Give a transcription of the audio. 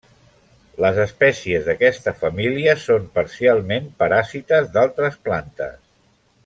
Les espècies d'aquesta família són parcialment paràsites d'altres plantes.